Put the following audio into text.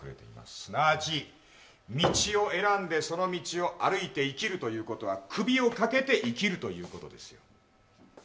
すなわち道を選んで、その道を歩いて生きるということは首をかけて生きるということです。